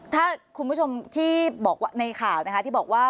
ถ้าคุณผู้ชมที่บอกว่าในข่าวนะคะที่บอกว่า